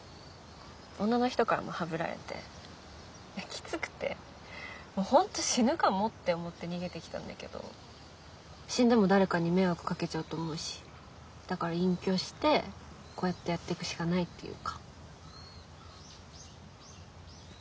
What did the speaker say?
女の人からもハブられてきつくて本当死ぬかもって思って逃げてきたんだけど死んでも誰かに迷惑かけちゃうと思うしだから隠居してこうやってやってくしかないっていうか。